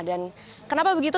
dan kenapa begitu